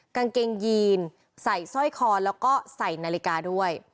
กางเกงยีนใส่สร้อยคอแล้วก็ใส่นาฬิกาด้วย